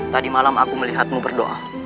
tadi malam aku melihatmu berdoa